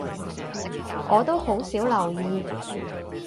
我都好少留意